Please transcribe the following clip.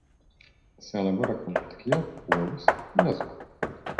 Se elabora con mantequilla, huevos y azúcar.